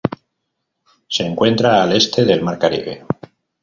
Se encuentra al este del Mar Caribe.